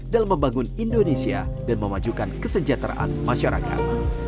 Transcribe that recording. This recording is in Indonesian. dalam membangun indonesia dan memajukan kesejahteraan masyarakat